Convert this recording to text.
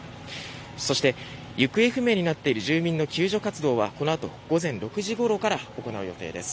そして、行方不明になっている住民の救助活動はこのあと午前６時ごろから行う予定です。